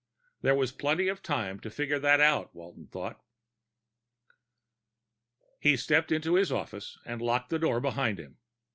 There was plenty of time to figure that out, Walton thought. He stepped into his office and locked the door behind him.